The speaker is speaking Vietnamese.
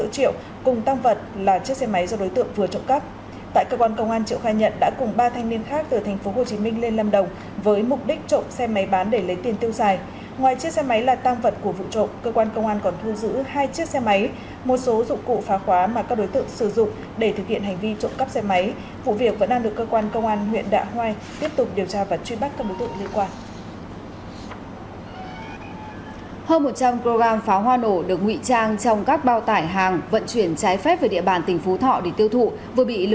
công an triệu khai nhận đã cùng ba thanh niên khác từ tp hcm lên lâm đồng với mục đích trộm xe máy bán để lấy tiền tiêu dài